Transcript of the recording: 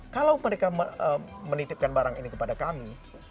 kalau mereka menitipkan barang ini kepada kami